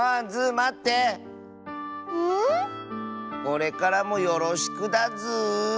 これからもよろしくだズー。